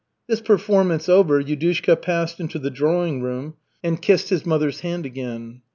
This performance over, Yudushka passed into the drawing room and kissed his mother's hand again.